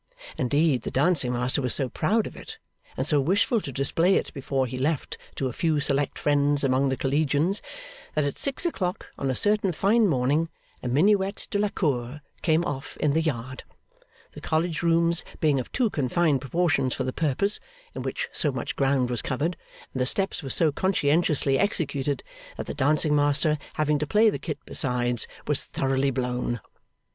Indeed the dancing master was so proud of it, and so wishful to display it before he left to a few select friends among the collegians, that at six o'clock on a certain fine morning, a minuet de la cour came off in the yard the college rooms being of too confined proportions for the purpose in which so much ground was covered, and the steps were so conscientiously executed, that the dancing master, having to play the kit besides, was thoroughly blown.